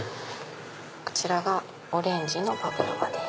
こちらがオレンジのパブロバです。